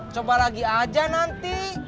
coba lagi aja nanti